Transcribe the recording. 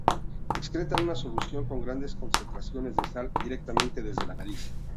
Excretan una solución con grandes concentraciones de sal directamente desde la nariz.